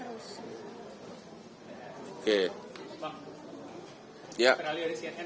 peralih dari siatnya mau nanya ke keluarga terkait filmnya